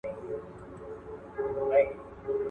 ولې ټولنیز خوځښتونه منځته راځي؟